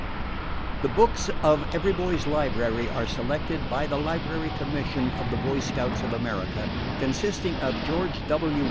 The books of EVERY BOY'S LIBRARY were selected by the Library Commission of the Boy Scouts of America, consisting of George F.